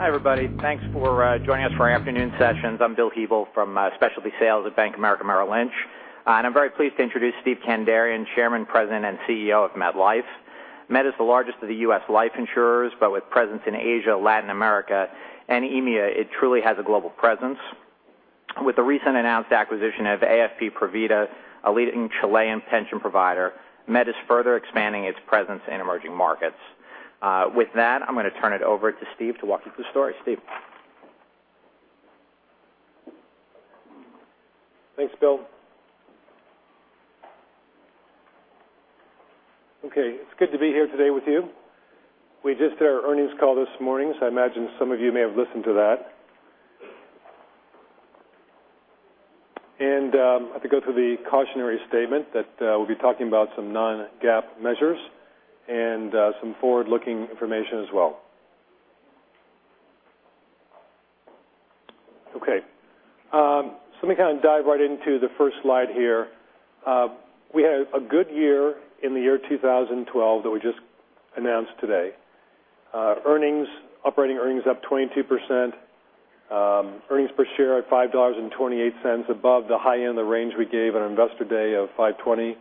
Hi, everybody. Thanks for joining us for our afternoon sessions. I'm Bill Hebel from Specialty Sales at Bank of America Merrill Lynch. I'm very pleased to introduce Steve Kandarian, Chairman, President, and CEO of MetLife. Met is the largest of the U.S. life insurers, with presence in Asia, Latin America, and EMEA, it truly has a global presence. With the recent announced acquisition of AFP Provida, a leading Chilean pension provider, Met is further expanding its presence in emerging markets. With that, I'm going to turn it over to Steve to walk you through the story. Steve? Thanks, Bill. Okay. It's good to be here today with you. We just did our earnings call this morning. I imagine some of you may have listened to that. I have to go through the cautionary statement that we'll be talking about some non-GAAP measures and some forward-looking information as well. Okay. Let me kind of dive right into the first slide here. We had a good year in the year 2012 that we just announced today. Operating earnings up 22%, earnings per share at $5.28, above the high end of range we gave on Investor Day of $4.80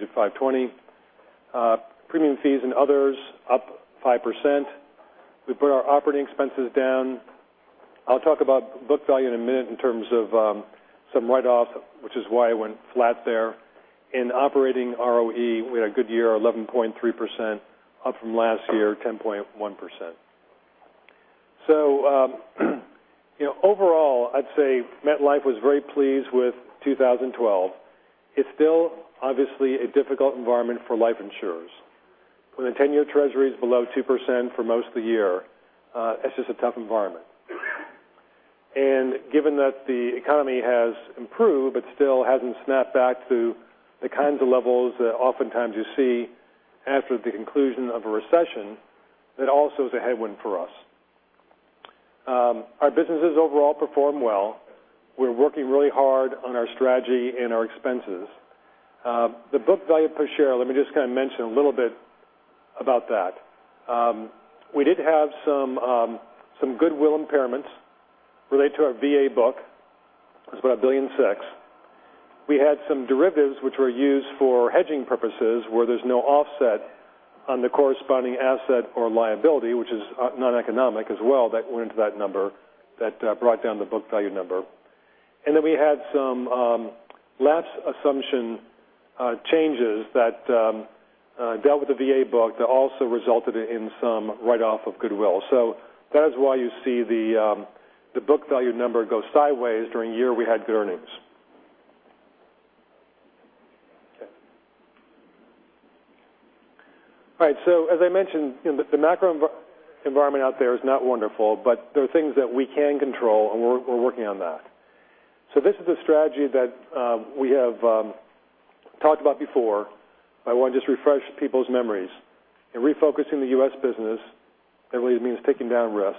to $5.20. Premium fees and others up 5%. We put our operating expenses down. I'll talk about book value in a minute in terms of some write-off, which is why it went flat there. In operating ROE, we had a good year, 11.3%, up from last year, 10.1%. Overall, I'd say MetLife was very pleased with 2012. It's still obviously a difficult environment for life insurers. When the 10-year treasury is below 2% for most of the year, it's just a tough environment. Given that the economy has improved but still hasn't snapped back to the kinds of levels that oftentimes you see after the conclusion of a recession, that also is a headwind for us. Our businesses overall performed well. We're working really hard on our strategy and our expenses. The book value per share, let me just kind of mention a little bit about that. We did have some goodwill impairments related to our VA book. It was about $1.6 billion. We had some derivatives which were used for hedging purposes where there's no offset on the corresponding asset or liability, which is non-economic as well, that went into that number that brought down the book value number. We had some lapse assumption changes that dealt with the VA book that also resulted in some write-off of goodwill. That is why you see the book value number go sideways during a year we had good earnings. Okay. All right. As I mentioned, the macro environment out there is not wonderful, there are things that we can control, and we're working on that. This is a strategy that we have talked about before. I want to just refresh people's memories. In refocusing the U.S. business, that really means taking down risk,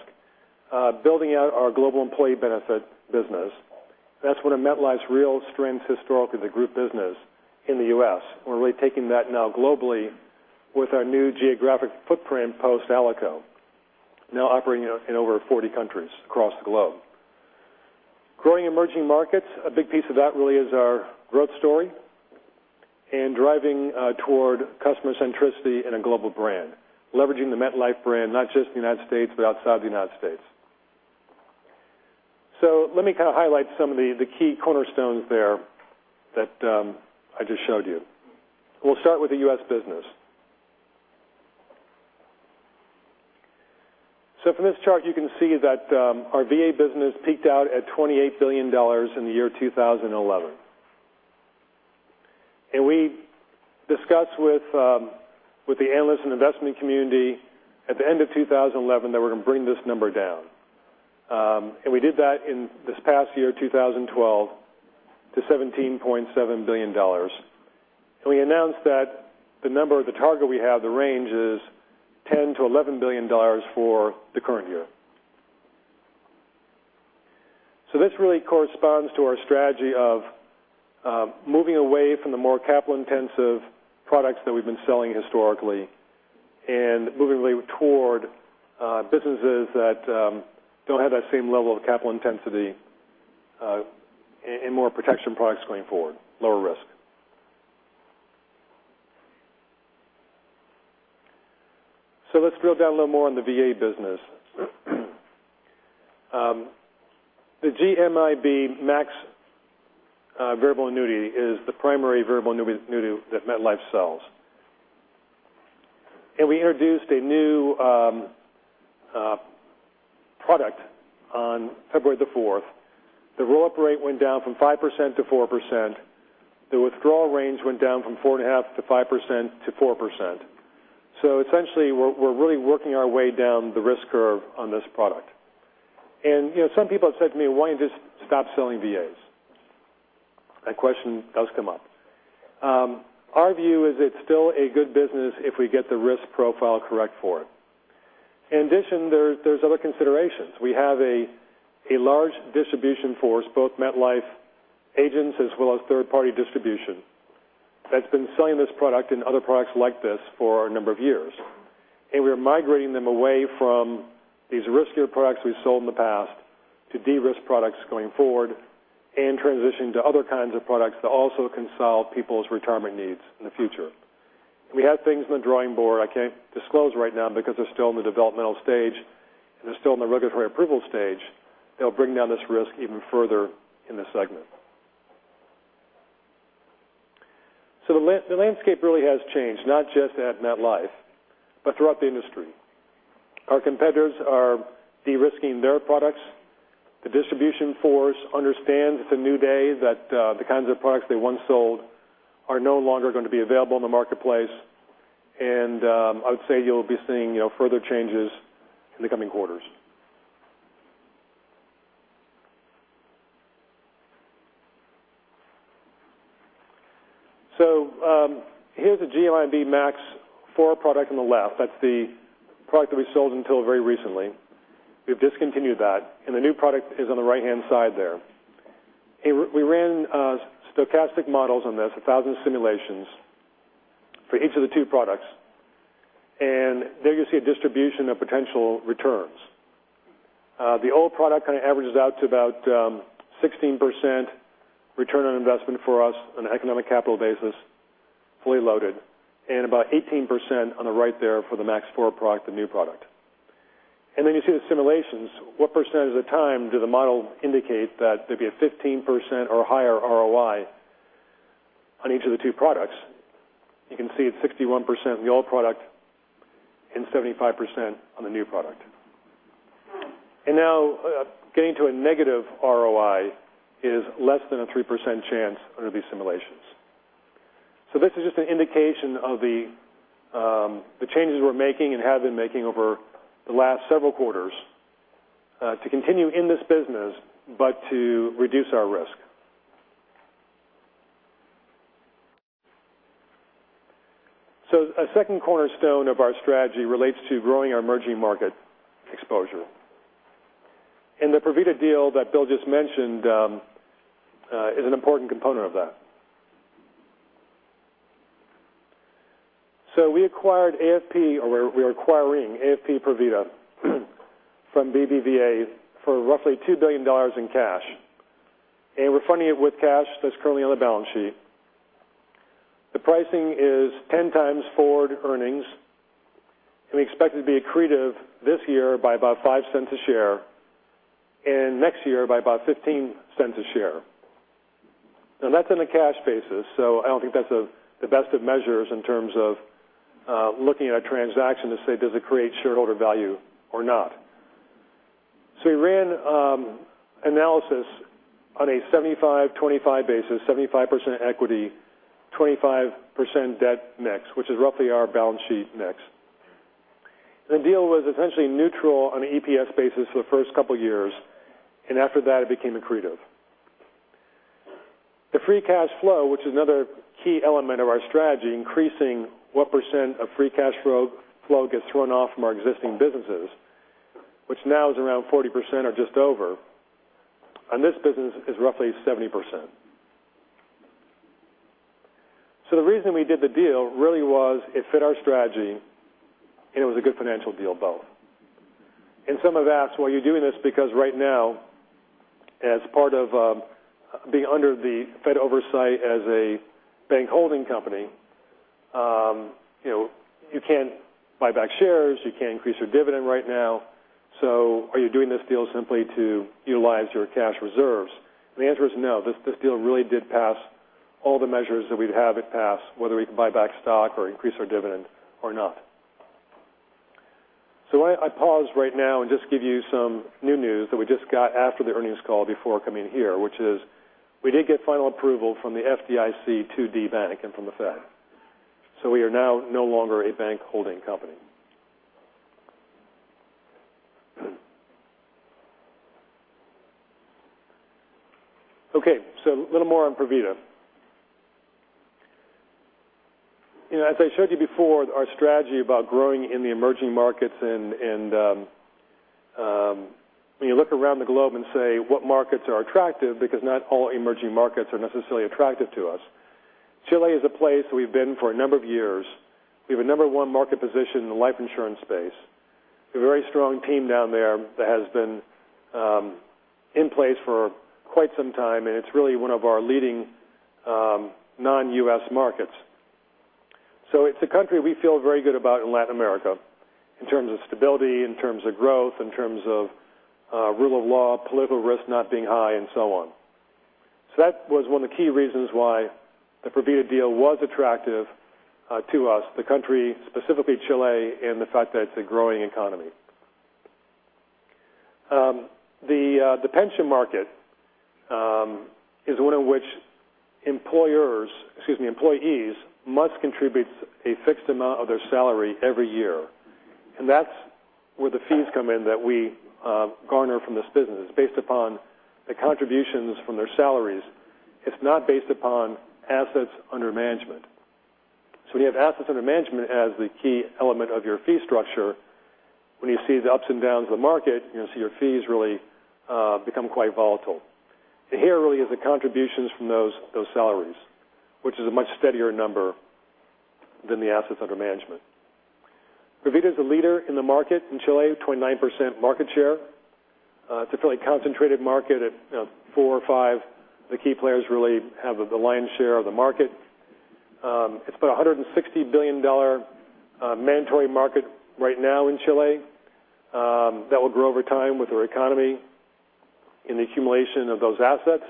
building out our global employee benefit business. That's one of MetLife's real strengths historically is the group business in the U.S. We're really taking that now globally with our new geographic footprint post-ALICO, now operating in over 40 countries across the globe. Growing emerging markets, a big piece of that really is our growth story and driving toward customer centricity in a global brand, leveraging the MetLife brand, not just in the United States, but outside the United States. Let me kind of highlight some of the key cornerstones there that I just showed you. We'll start with the U.S. business. From this chart, you can see that our VA business peaked out at $28 billion in the year 2011. We discussed with the analysts and investment community at the end of 2011 that we're going to bring this number down. We did that in this past year, 2012, to $17.7 billion. We announced that the number, the target we have, the range is $10 billion-$11 billion for the current year. This really corresponds to our strategy of moving away from the more capital-intensive products that we've been selling historically and moving away toward businesses that don't have that same level of capital intensity and more protection products going forward, lower risk. Let's drill down a little more on the VA business. The GMIB Max Variable Annuity is the primary variable annuity that MetLife sells. We introduced a new product on February the fourth. The roll-up rate went down from 5% to 4%. The withdrawal range went down from 4.5% to 5% to 4%. Essentially, we're really working our way down the risk curve on this product. Some people have said to me, "Why don't you just stop selling VAs?" That question does come up. Our view is it's still a good business if we get the risk profile correct for it. In addition, there's other considerations. We have a large distribution force, both MetLife agents as well as third-party distribution. That's been selling this product and other products like this for a number of years. We are migrating them away from these riskier products we sold in the past to de-risk products going forward, and transitioning to other kinds of products that also can solve people's retirement needs in the future. We have things in the drawing board I can't disclose right now because they're still in the developmental stage, and they're still in the regulatory approval stage. They'll bring down this risk even further in this segment. The landscape really has changed, not just at MetLife, but throughout the industry. Our competitors are de-risking their products. The distribution force understands it's a new day, that the kinds of products they once sold are no longer going to be available in the marketplace. I would say you'll be seeing further changes in the coming quarters. Here's a GMIB Max IV product on the left. That's the product that we sold until very recently. We've discontinued that, and the new product is on the right-hand side there. We ran stochastic models on this, 1,000 simulations for each of the two products. There you see a distribution of potential returns. The old product kind of averages out to about 16% return on investment for us on an economic capital basis, fully loaded, and about 18% on the right there for the Max IV product, the new product. Then you see the simulations. What % of the time do the model indicate that there'd be a 15% or higher ROI on each of the two products? You can see it's 61% on the old product and 75% on the new product. Now, getting to a negative ROI is less than a 3% chance under these simulations. This is just an indication of the changes we're making and have been making over the last several quarters, to continue in this business, but to reduce our risk. A second cornerstone of our strategy relates to growing our emerging market exposure. The Provida deal that Bill just mentioned is an important component of that. We acquired AFP, or we're acquiring AFP Provida from BBVA for roughly $2 billion in cash. We're funding it with cash that's currently on the balance sheet. The pricing is 10 times forward earnings, and we expect it to be accretive this year by about $0.05 a share and next year by about $0.15 a share. That's on a cash basis, I don't think that's the best of measures in terms of looking at a transaction to say, does it create shareholder value or not? We ran analysis on a 75/25 basis, 75% equity, 25% debt mix, which is roughly our balance sheet mix. The deal was essentially neutral on an EPS basis for the first couple of years, after that, it became accretive. The free cash flow, which is another key element of our strategy, increasing what % of free cash flow gets written off from our existing businesses, which now is around 40% or just over. This business is roughly 70%. The reason we did the deal really was it fit our strategy, and it was a good financial deal both. Some have asked, "Why are you doing this?" Because right now, as part of being under the Fed oversight as a bank holding company, you can't buy back shares. You can't increase your dividend right now. Are you doing this deal simply to utilize your cash reserves? The answer is no. This deal really did pass all the measures that we'd have it pass, whether we can buy back stock or increase our dividend or not. I pause right now and just give you some new news that we just got after the earnings call before coming here, which is we did get final approval from the FDIC to debank and from the Fed. We are now no longer a bank holding company. A little more on Provida. As I showed you before, our strategy about growing in the emerging markets when you look around the globe and say what markets are attractive because not all emerging markets are necessarily attractive to us. Chile is a place we've been for a number of years. We have a number 1 market position in the life insurance space. We have a very strong team down there that has been in place for quite some time, and it's really one of our leading non-U.S. markets. It's a country we feel very good about in Latin America in terms of stability, in terms of growth, in terms of rule of law, political risk not being high, and so on. That was one of the key reasons why the Provida deal was attractive to us, the country, specifically Chile, and the fact that it's a growing economy. The pension market is one in which employers, excuse me, employees must contribute a fixed amount of their salary every year. That's where the fees come in that we garner from this business. It's based upon the contributions from their salaries. It's not based upon assets under management. When you have assets under management as the key element of your fee structure, when you see the ups and downs of the market, you're going to see your fees really become quite volatile. Here really is the contributions from those salaries, which is a much steadier number than the assets under management. Provida is a leader in the market in Chile, 29% market share. It's a fairly concentrated market at four or five. The key players really have the lion's share of the market. It's about $160 billion mandatory market right now in Chile. That will grow over time with their economy in the accumulation of those assets.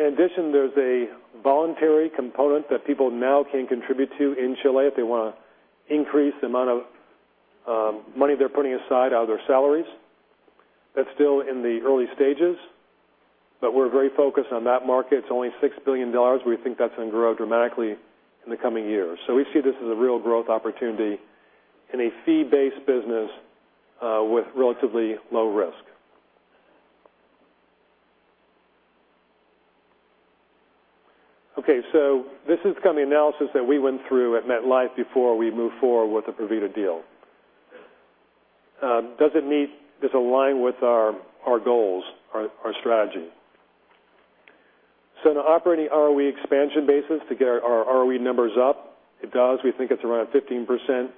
In addition, there's a voluntary component that people now can contribute to in Chile if they want to increase the amount of money they're putting aside out of their salaries. That's still in the early stages, but we're very focused on that market. It's only $6 billion. We think that's going to grow dramatically in the coming years. We see this as a real growth opportunity in a fee-based business with relatively low risk. This is kind of the analysis that we went through at MetLife before we moved forward with the Provida deal. Does it meet, does it align with our goals, our strategy? On an operating ROE expansion basis to get our ROE numbers up, it does. We think it's around 15%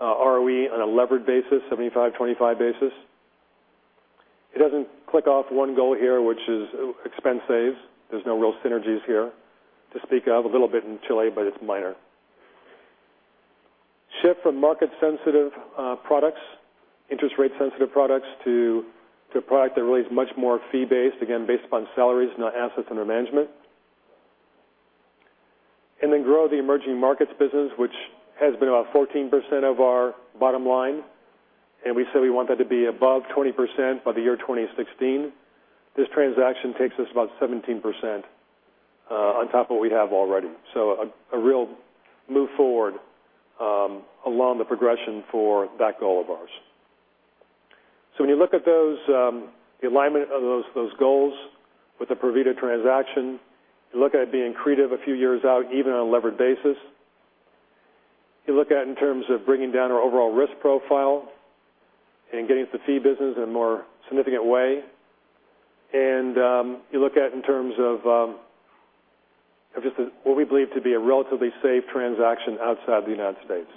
ROE on a levered basis, 75/25 basis. It doesn't click off one goal here, which is expense saves. There's no real synergies here to speak of. A little bit in Chile, but it's minor. Shift from market sensitive products, interest rate sensitive products to a product that really is much more fee based, again, based upon salaries, not assets under management. Then grow the emerging markets business, which has been about 14% of our bottom line, and we said we want that to be above 20% by the year 2016. This transaction takes us about 17% on top of what we have already. A real move forward along the progression for that goal of ours. When you look at the alignment of those goals with the Provida transaction, you look at being creative a few years out, even on a levered basis. You look at in terms of bringing down our overall risk profile and getting into fee business in a more significant way. You look at in terms of just what we believe to be a relatively safe transaction outside the United States.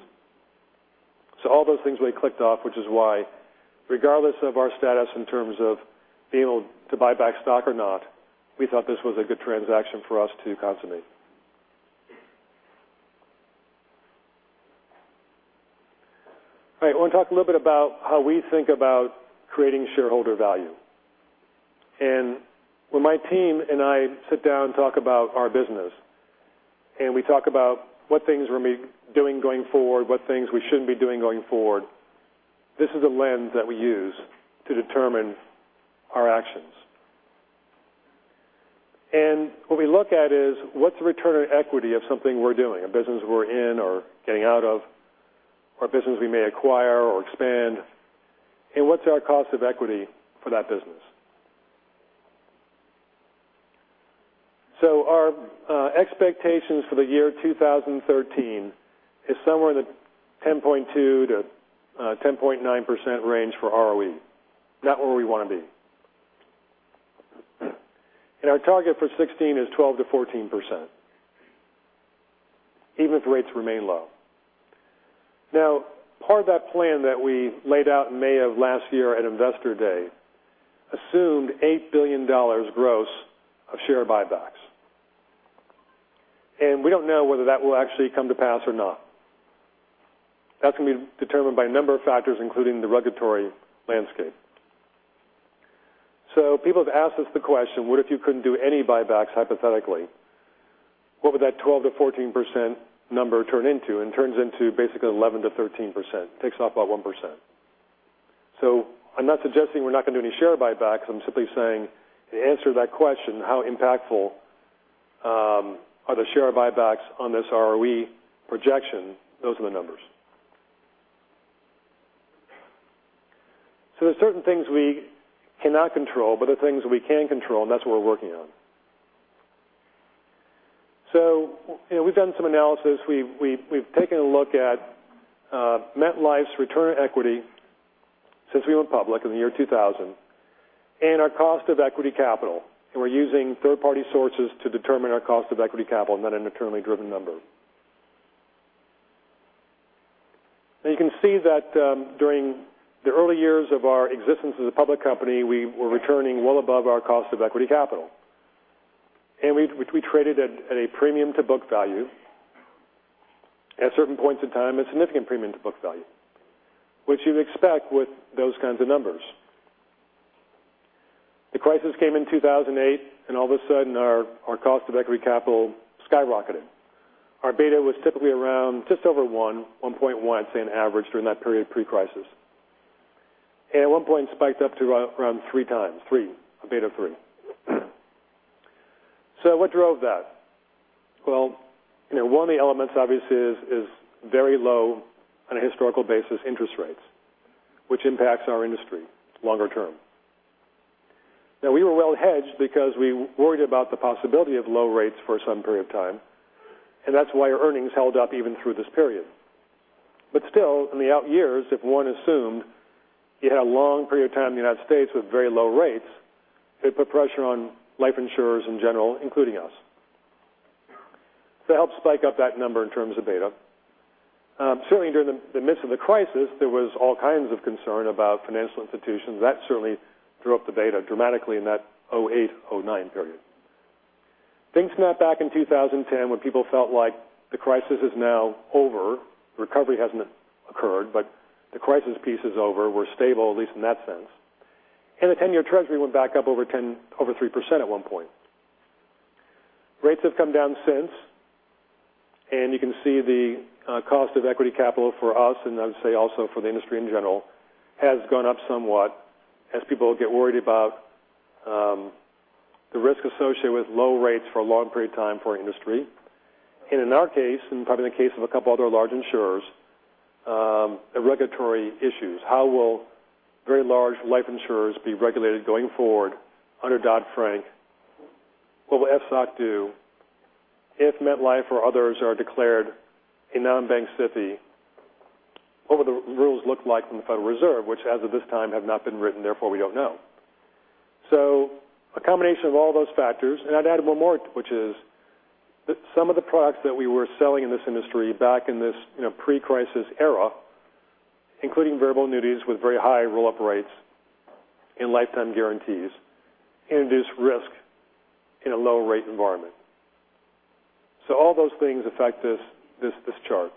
All those things we clicked off, which is why regardless of our status in terms of being able to buy back stock or not, we thought this was a good transaction for us to consummate. All right. I want to talk a little bit about how we think about creating shareholder value. When my team and I sit down and talk about our business, and we talk about what things we're going to be doing going forward, what things we shouldn't be doing going forward, this is a lens that we use to determine our actions. What we look at is what's the return on equity of something we're doing, a business we're in or getting out of, or a business we may acquire or expand, and what's our cost of equity for that business? Our expectations for the year 2013 is somewhere in the 10.2%-10.9% range for ROE, not where we want to be. Our target for 2016 is 12%-14%, even if rates remain low. Part of that plan that we laid out in May of last year at Investor Day assumed $8 billion gross of share buybacks. We don't know whether that will actually come to pass or not. That's going to be determined by a number of factors, including the regulatory landscape. People have asked us the question, what if you couldn't do any buybacks hypothetically? What would that 12%-14% number turn into? It turns into basically 11%-13%, takes off about 1%. I'm not suggesting we're not going to do any share buybacks. I'm simply saying to answer that question, how impactful are the share buybacks on this ROE projection? Those are the numbers. There's certain things we cannot control, but there are things we can control, and that's what we're working on. We've done some analysis. We've taken a look at MetLife's return on equity since we went public in the year 2000 and our cost of equity capital, and we're using third-party sources to determine our cost of equity capital, not an internally driven number. You can see that during the early years of our existence as a public company, we were returning well above our cost of equity capital, which we traded at a premium to book value. At certain points in time, a significant premium to book value, which you'd expect with those kinds of numbers. The crisis came in 2008, and all of a sudden, our cost of equity capital skyrocketed. Our beta was typically around just over one, 1.1, say, on average during that period pre-crisis. At one point spiked up to around three times, three, a beta of three. What drove that? One of the elements obviously is very low on a historical basis interest rates, which impacts our industry longer term. We were well hedged because we worried about the possibility of low rates for some period of time, and that's why our earnings held up even through this period. Still, in the out years, if one assumed you had a long period of time in the U.S. with very low rates, it put pressure on life insurers in general, including us. That helped spike up that number in terms of beta. Certainly during the midst of the crisis, there was all kinds of concern about financial institutions. That certainly threw up the beta dramatically in that 2008, 2009 period. Things snapped back in 2010 when people felt like the crisis is now over. Recovery hasn't occurred, but the crisis piece is over. We're stable, at least in that sense. The 10-year Treasury went back up over 3% at one point. Rates have come down since, you can see the cost of equity capital for us, I would say also for the industry in general, has gone up somewhat as people get worried about the risk associated with low rates for a long period of time for our industry. In our case, probably in the case of a two other large insurers, the regulatory issues. How will very large life insurers be regulated going forward under Dodd-Frank? What will FSOC do? If MetLife or others are declared a non-bank SIFI, what will the rules look like from the Federal Reserve, which as of this time have not been written, therefore we don't know. A combination of all those factors, I'd add one more, which is that some of the products that we were selling in this industry back in this pre-crisis era, including variable annuities with very high roll-up rates and lifetime guarantees, induce risk in a low-rate environment. All those things affect this chart.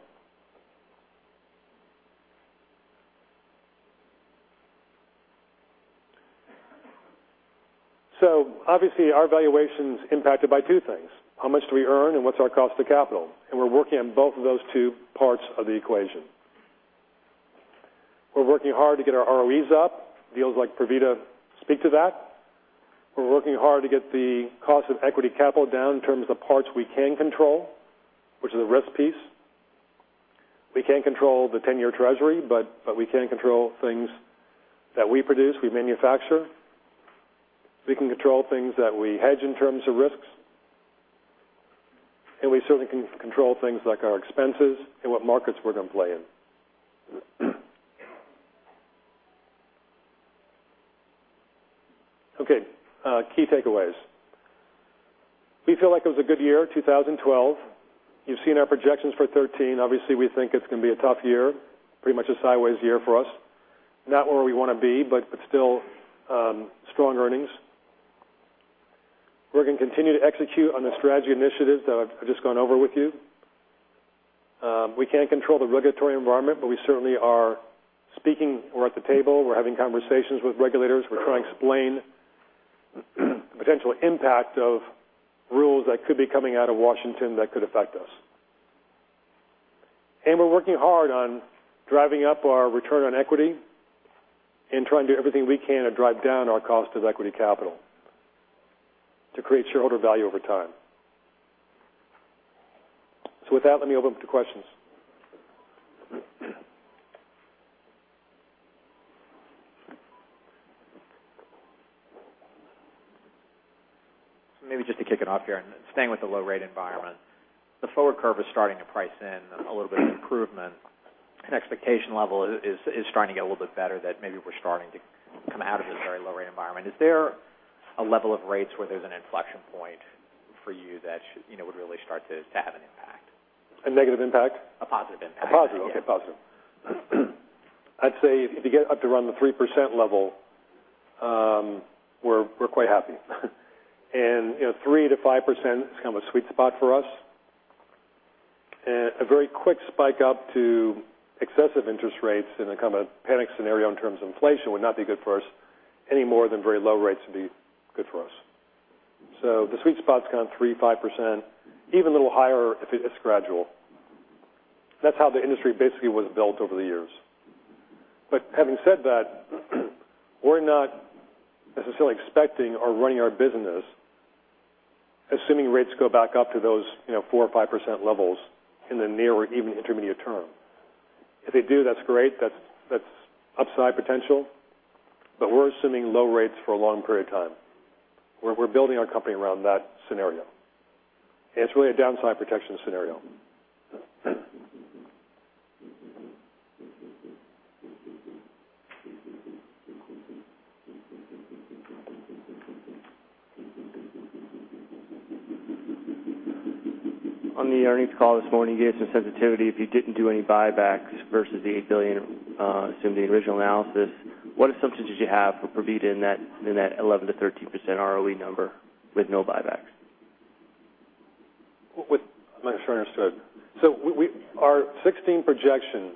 Obviously, our valuation's impacted by two things. How much do we earn, what's our cost of capital? We're working on both of those two parts of the equation. We're working hard to get our ROEs up. Deals like Provida speak to that. We're working hard to get the cost of equity capital down in terms of parts we can control, which is a risk piece. We can't control the 10-year Treasury, but we can control things that we produce, we manufacture. We can control things that we hedge in terms of risks. We certainly can control things like our expenses and what markets we're going to play in. Okay. Key takeaways. We feel like it was a good year, 2012. You've seen our projections for 2013. Obviously, we think it's going to be a tough year, pretty much a sideways year for us. Not where we want to be, but still strong earnings. We're going to continue to execute on the strategy initiatives that I've just gone over with you. We can't control the regulatory environment, but we certainly are speaking. We're at the table. We're having conversations with regulators. We're trying to explain the potential impact of rules that could be coming out of Washington that could affect us. We're working hard on driving up our return on equity and trying to do everything we can to drive down our cost of equity capital to create shareholder value over time. With that, let me open up to questions. Maybe just to kick it off here and staying with the low rate environment, the forward curve is starting to price in a little bit of improvement, and expectation level is starting to get a little bit better that maybe we're starting to come out of this very low rate environment. Is there a level of rates where there's an inflection point for you that would really start to have an impact? A negative impact? A positive impact. A positive. Okay. Positive. I'd say if you get up to around the 3% level, we're quite happy. 3%-5% is kind of a sweet spot for us. A very quick spike up to excessive interest rates in a kind of a panic scenario in terms of inflation would not be good for us any more than very low rates would be good for us. The sweet spot's kind of 3%-5%, even a little higher if it's gradual. That's how the industry basically was built over the years. Having said that, we're not necessarily expecting or running our business assuming rates go back up to those 4% or 5% levels in the near or even intermediate term. If they do, that's great. That's upside potential. We're assuming low rates for a long period of time. We're building our company around that scenario. It's really a downside protection scenario. On the earnings call this morning, you gave some sensitivity if you didn't do any buybacks versus the $8 billion, assuming the original analysis. What assumptions did you have for Provida in that 11%-13% ROE number with no buybacks? I'm not sure I understood. Our 2016 projection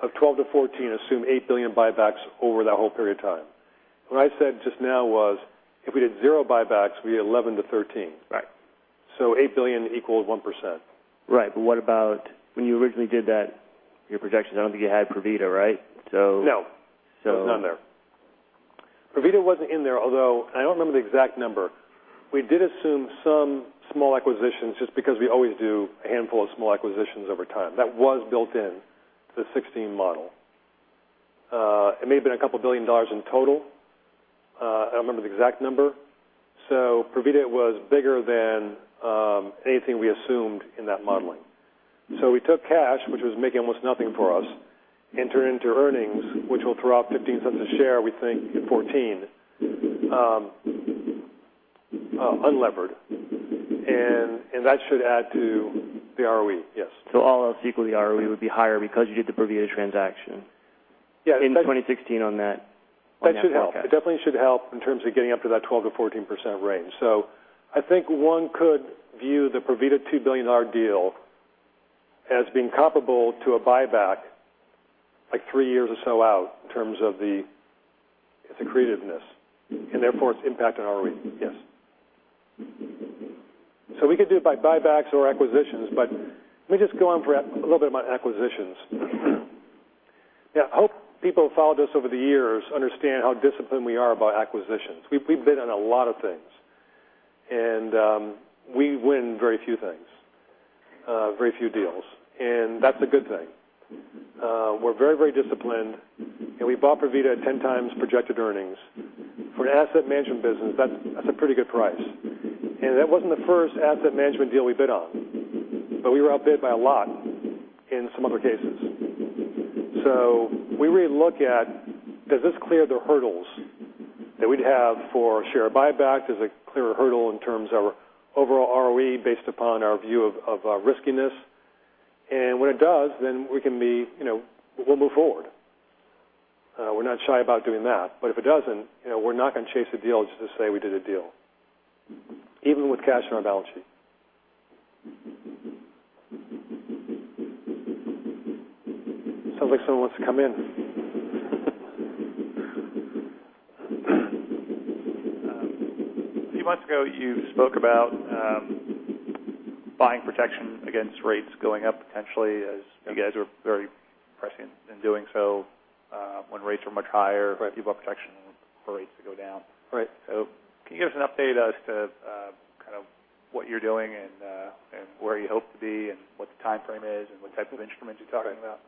of 12%-14% assume $8 billion buybacks over that whole period of time. What I said just now was if we did 0 buybacks, we did 11%-13%. Right. $8 billion equals 1%. Right. What about when you originally did that, your projections? I don't think you had Provida, right? No. It was not there. Provida wasn't in there, although, and I don't remember the exact number, we did assume some small acquisitions just because we always do a handful of small acquisitions over time. That was built in. The 2016 model. It may have been a couple billion dollars in total. I don't remember the exact number. Provida was bigger than anything we assumed in that modeling. We took cash, which was making almost nothing for us, and turned it into earnings, which will throw off $0.15 a share, we think in 2014, unlevered. That should add to the ROE. Yes. All else equal, the ROE would be higher because you did the Provida transaction. Yes. In 2016 on that forecast. That should help. It definitely should help in terms of getting up to that 12%-14% range. I think one could view the Provida $2 billion deal as being comparable to a buyback, like three years or so out in terms of the accretiveness and therefore its impact on ROE. Yes. We could do it by buybacks or acquisitions, but let me just go on for a little bit about acquisitions. I hope people who followed us over the years understand how disciplined we are about acquisitions. We've bid on a lot of things, and we win very few things, very few deals, and that's a good thing. We're very disciplined, and we bought Provida at 10 times projected earnings. For an asset management business, that's a pretty good price. That wasn't the first asset management deal we bid on, but we were outbid by a lot in some other cases. We really look at, does this clear the hurdles that we'd have for a share buyback? Does it clear a hurdle in terms of our overall ROE based upon our view of riskiness? When it does, then we'll move forward. We're not shy about doing that. If it doesn't, we're not going to chase a deal just to say we did a deal, even with cash on our balance sheet. Sounds like someone wants to come in. A few months ago, you spoke about buying protection against rates going up potentially as you guys were very prescient in doing so when rates were much higher, quite a few bought protection for rates to go down. Right. Can you give us an update as to what you're doing and where you hope to be and what the timeframe is and what type of instruments you're talking about?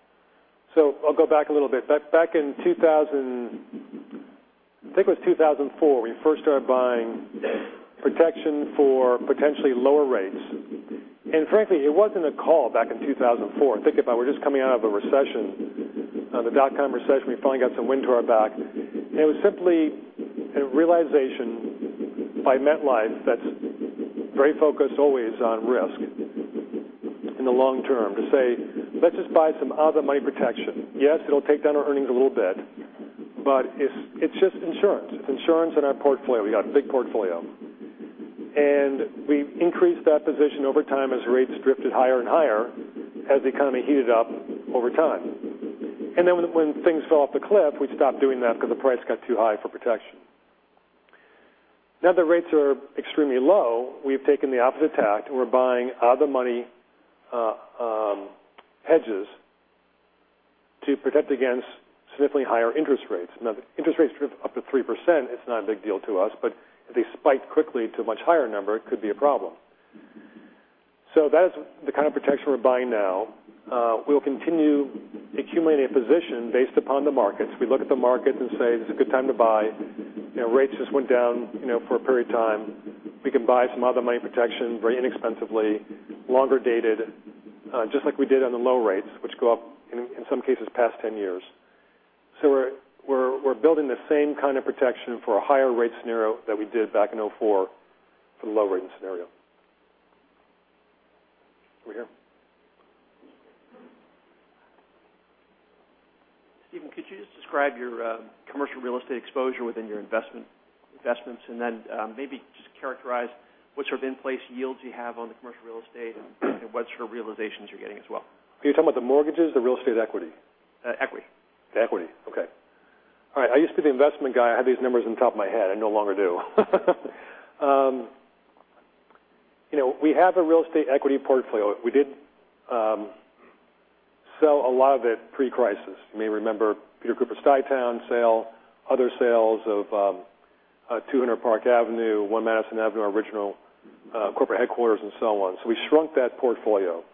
I'll go back a little bit. Back in 2000, I think it was 2004, we first started buying protection for potentially lower rates. Frankly, it wasn't a call back in 2004. Think about, we're just coming out of a recession, the dotcom recession. We finally got some wind to our back. It was simply a realization by MetLife that's very focused always on risk in the long term to say, "Let's just buy some out of money protection." Yes, it'll take down our earnings a little bit, but it's just insurance. It's insurance in our portfolio. We got a big portfolio. We increased that position over time as rates drifted higher and higher as the economy heated up over time. When things fell off the cliff, we stopped doing that because the price got too high for protection. That rates are extremely low, we've taken the opposite tact, and we're buying out of the money hedges to protect against significantly higher interest rates. If interest rates drift up to 3%, it's not a big deal to us, but if they spike quickly to a much higher number, it could be a problem. That is the kind of protection we're buying now. We'll continue accumulating a position based upon the markets. We look at the markets and say, "This is a good time to buy." Rates just went down for a period of time. We can buy some out of the money protection very inexpensively, longer dated, just like we did on the low rates, which go up, in some cases, past 10 years. We're building the same kind of protection for a higher rate scenario that we did back in '04 for the low rate scenario. Over here. Steven, could you just describe your commercial real estate exposure within your investments, and then maybe just characterize what sort of in-place yields you have on the commercial real estate and what sort of realizations you're getting as well? Are you talking about the mortgages, the real estate equity? Equity. Equity. Okay. All right. I used to be the investment guy. I had these numbers on the top of my head. I no longer do. We have a real estate equity portfolio. We did sell a lot of it pre-crisis. You may remember Peter Cooper Stuyvesant Town sale, other sales of 200 Park Avenue, 1 Madison Avenue, our original corporate headquarters, and so on. We shrunk that portfolio.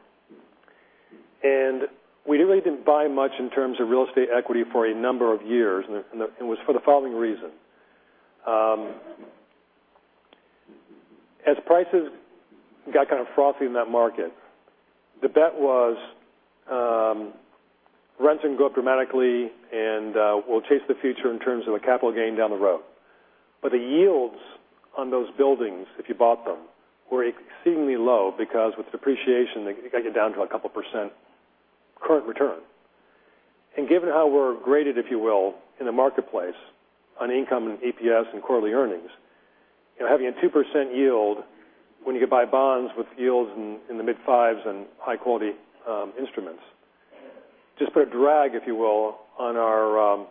We really didn't buy much in terms of real estate equity for a number of years. It was for the following reason. As prices got kind of frothy in that market, the bet was rents can go up dramatically, and we'll chase the future in terms of a capital gain down the road. The yields on those buildings, if you bought them, were exceedingly low because with depreciation, they got you down to a couple % current return. Given how we're graded, if you will, in the marketplace on income and EPS and quarterly earnings, having a 2% yield when you could buy bonds with yields in the mid fives and high-quality instruments just put a drag, if you will, on our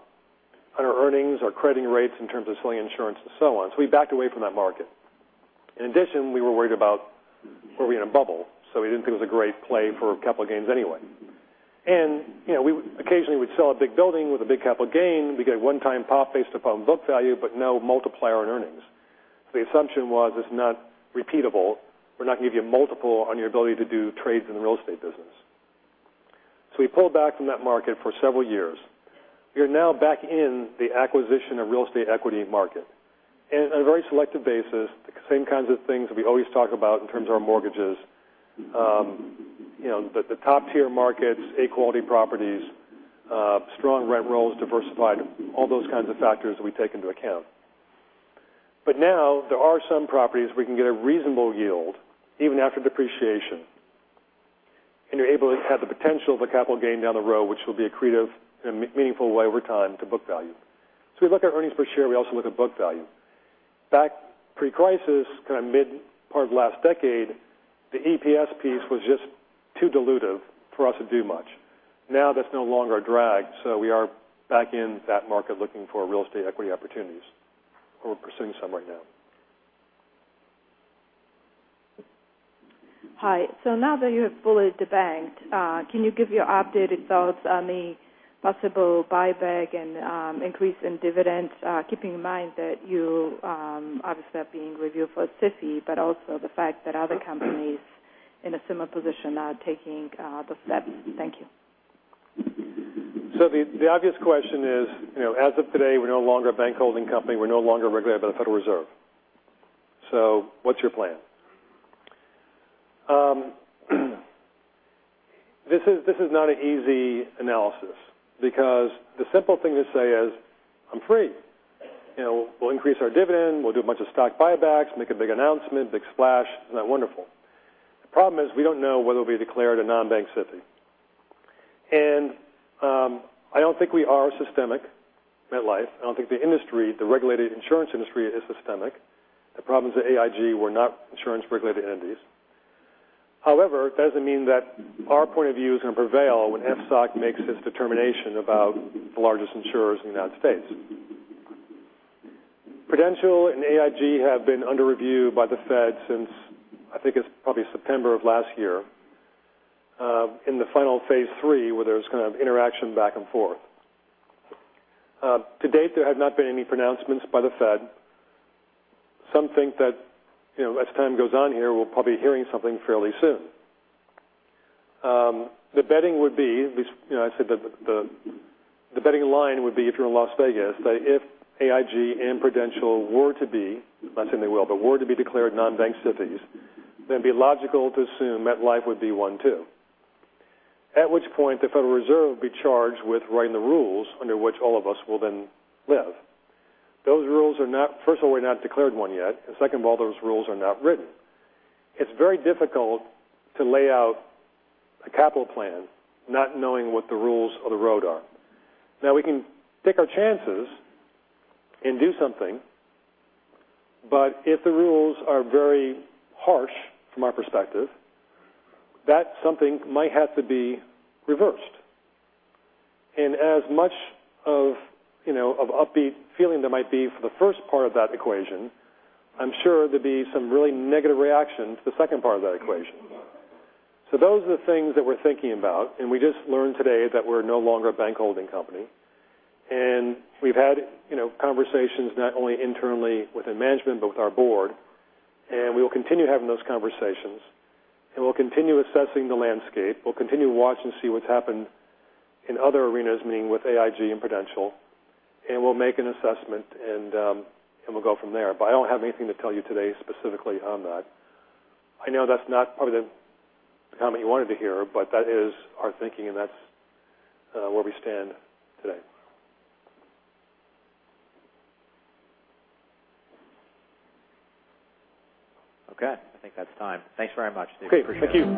earnings, our crediting rates in terms of selling insurance and so on. We backed away from that market. In addition, we were worried about were we in a bubble, we didn't think it was a great play for capital gains anyway. Occasionally, we'd sell a big building with a big capital gain. We get a one-time pop based upon book value, no multiplier on earnings. The assumption was it's not repeatable. We're not going to give you a multiple on your ability to do trades in the real estate business. We pulled back from that market for several years. We are now back in the acquisition of real estate equity market in a very selective basis. The same kinds of things we always talk about in terms of our mortgages. The top tier markets, A quality properties, strong rent rolls, diversified, all those kinds of factors we take into account. Now there are some properties we can get a reasonable yield even after depreciation, and you're able to have the potential of a capital gain down the road, which will be accretive in a meaningful way over time to book value. We look at earnings per share, we also look at book value. Back pre-crisis, mid part of last decade, the EPS piece was just too dilutive for us to do much. Now that's no longer a drag, we are back in that market looking for real estate equity opportunities. We're pursuing some right now. Hi. Now that you have fully debanked, can you give your updated thoughts on the possible buyback and increase in dividends? Keeping in mind that you obviously are being reviewed for SIFI, but also the fact that other companies in a similar position are taking the steps. Thank you. The obvious question is, as of today, we're no longer a bank holding company. We're no longer regulated by the Federal Reserve. What's your plan? This is not an easy analysis because the simple thing to say is, "I'm free. We'll increase our dividend. We'll do a bunch of stock buybacks, make a big announcement, big splash. Isn't that wonderful?" The problem is we don't know whether we'll be declared a non-bank SIFI. I don't think we are systemic, MetLife. I don't think the industry, the regulated insurance industry, is systemic. The problems at AIG were not insurance regulated entities. However, it doesn't mean that our point of view is going to prevail when FSOC makes its determination about the largest insurers in the United States. Prudential and AIG have been under review by Federal Reserve since, I think it's probably September of last year, in the final phase 3, where there's interaction back and forth. To date, there have not been any pronouncements by Federal Reserve. Some think that as time goes on here, we'll probably be hearing something fairly soon. The betting line would be, if you're in Las Vegas, that if AIG and Prudential were to be, I'm not saying they will, but were to be declared non-bank SIFIs, then it'd be logical to assume MetLife would be one, too. At which point the Federal Reserve would be charged with writing the rules under which all of us will then live. First of all, we're not declared one yet. Second of all, those rules are not written. It's very difficult to lay out a capital plan not knowing what the rules of the road are. Now we can take our chances and do something. If the rules are very harsh from our perspective, that something might have to be reversed. As much of upbeat feeling there might be for the first part of that equation, I'm sure there'd be some really negative reaction to the second part of that equation. Those are the things that we're thinking about. We just learned today that we're no longer a bank holding company. We've had conversations not only internally within management but with our board, and we will continue having those conversations, and we'll continue assessing the landscape. We'll continue to watch and see what's happened in other arenas, meaning with AIG and Prudential, and we'll make an assessment and we'll go from there. I don't have anything to tell you today specifically on that. I know that's not probably the comment you wanted to hear, but that is our thinking and that's where we stand today. Okay. I think that's time. Thanks very much. Appreciate it. Thank you.